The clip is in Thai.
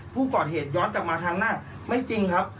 ผู้กอดเหตุย้อนกลับมาทางหน้าไม่จริงครับ